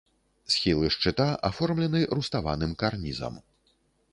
Схілы шчыта аформлены руставаным карнізам.